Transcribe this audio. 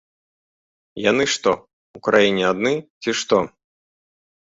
Яны што, у краіне адны, ці што!?